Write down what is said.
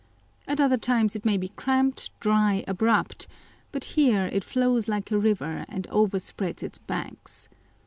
At other times it may be cramped, dry, abrupt ; but here it flows like a river, and overspreads its banks.